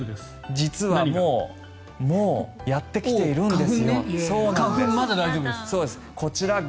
実はもうやってきているんです。